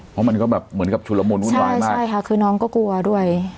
เพราะมันก็แบบเหมือนกับชุดละมุนวุ่นวายมากใช่ค่ะคือน้องก็กลัวด้วย